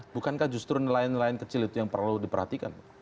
bukankah justru nelayan nelayan kecil itu yang perlu diperhatikan pak